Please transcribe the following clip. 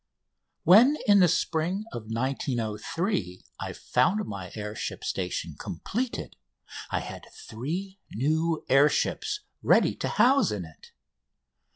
When in the spring of 1903 I found my air ship station completed I had three new air ships ready to house in it.